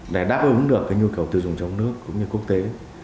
để đáp ứng được nhu cầu tiêu dùng trong nước cũng như quốc tế